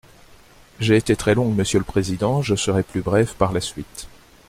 J’ai été très longue, monsieur le président, je serai plus brève par la suite.